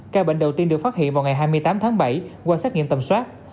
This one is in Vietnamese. ca bệnh đầu tiên được phát hiện vào ngày hai mươi tám tháng bảy qua xét nghiệm tầm soát